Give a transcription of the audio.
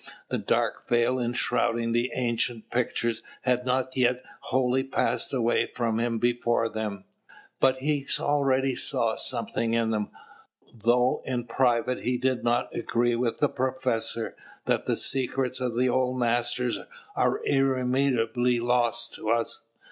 The dark veil enshrouding the ancient pictures had not yet wholly passed away from before them; but he already saw something in them, though in private he did not agree with the professor that the secrets of the old masters are irremediably lost to us.